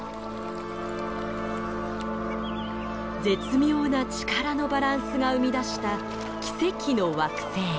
絶妙な力のバランスが生み出した奇跡の惑星。